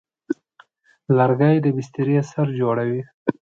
لرګی د بسترې سر جوړوي.